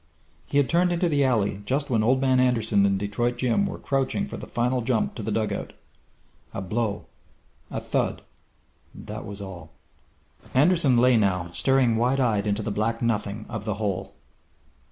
He had turned into the alley just when Old Man Anderson and Detroit Jim were crouching for the final jump to the dugout! A blow a thud that was all.... Anderson lay now, staring wide eyed into the black nothing of the hole.